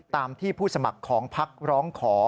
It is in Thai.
ตามที่ผู้สมัครของพักร้องขอ